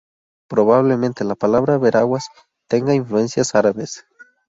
Probablemente la palabra Veraguas tenga influencias árabes.